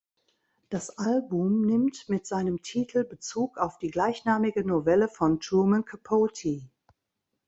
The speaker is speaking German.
Das Album nimmt mit seinem Titel Bezug auf die gleichnamige Novelle von Truman Capote.